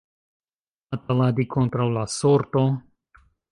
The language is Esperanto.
Bataladi kontraŭ la sorto.